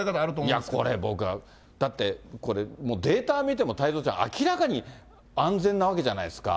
だって、これ、だって、これ、もうデータ見ても太蔵ちゃん、明らかに安全なわけじゃないですか。